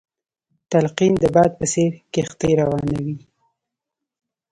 تلقين د باد په څېر کښتۍ روانوي.